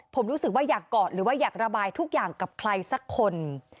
ผมรู้สึกว่าอยากกอดหรือว่าอยากระบายทุกอย่างกับใครสักคน